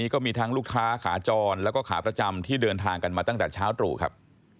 ก็มีทั้งลูกค้าขาจรแล้วก็ขาประจำที่เดินทางกันมาตั้งแต่เช้าตรู่ครับ